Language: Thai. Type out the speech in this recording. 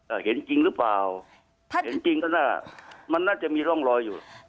เห็นจริงหรือเปล่าถ้าเห็นจริงก็น่ามันน่าจะมีร่องรอยอยู่